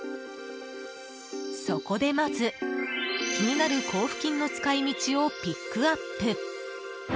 そこでまず、気になる交付金の使い道をピックアップ。